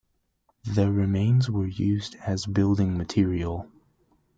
The remains were used as building material.